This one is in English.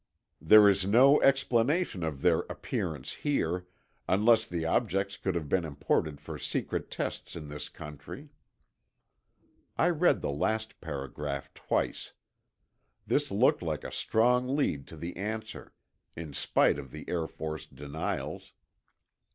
There is no explanation of their appearance here, unless the objects could have been imported for secret tests in this country. I read the last paragraph twice. This looked like a strong lead to the answer, in spite of the Air Force denials.